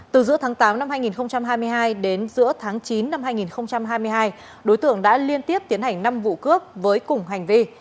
từ giữa tháng tám năm hai nghìn hai mươi hai đến giữa tháng chín năm hai nghìn hai mươi hai đối tượng đã liên tiếp tiến hành năm vụ cướp với cùng hành vi